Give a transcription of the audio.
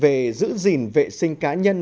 về giữ gìn vệ sinh cá nhân